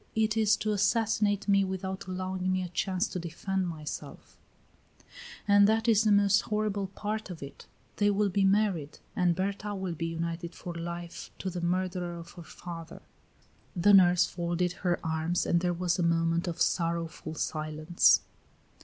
It is to assassinate me without allowing me a chance to defend myself; and that is the most horrible part of it they will be married, and Berta will be united for life to the murderer of her father." The nurse folded her arms and there was a moment of sorrowful silence.